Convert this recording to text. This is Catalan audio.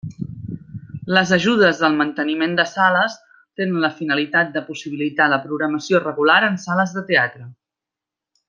Les ajudes al manteniment de sales tenen la finalitat de possibilitar la programació regular en sales de teatre.